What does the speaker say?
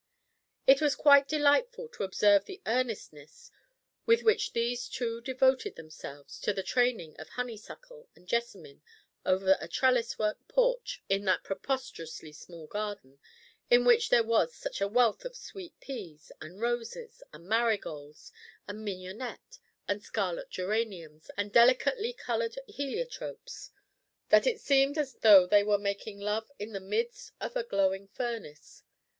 It was quite delightful to observe the earnestness with which these two devoted themselves to the training of honeysuckle and jessamine over a trellis work porch in that preposterously small garden, in which there was such a wealth of sweet peas, and roses, and marigolds, and mignonette, and scarlet geraniums, and delicately coloured heliotropes, that it seemed as though they were making love in the midst of a glowing furnace.